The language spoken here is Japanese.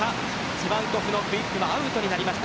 ジバンコフのクイックはアウトになりました。